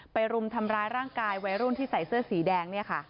รุมทำร้ายร่างกายวัยรุ่นที่ใส่เสื้อสีแดง